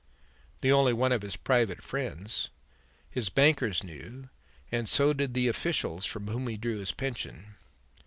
"The only one of his private friends. His bankers knew and so did the officials from whom he drew his pension."